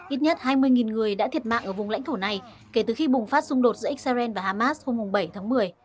ít nhất hai mươi người đã thiệt mạng ở vùng lãnh thổ này kể từ khi bùng phát xung đột giữa israel và hamas hôm bảy tháng một mươi